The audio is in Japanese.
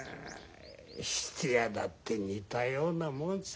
質屋だって似たようなもんさ。